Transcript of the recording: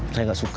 saya gak suka